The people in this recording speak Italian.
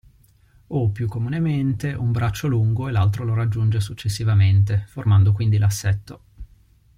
O, più comunemente, un braccio lungo e l'altro lo raggiunge successivamente, formando quindi l'assetto.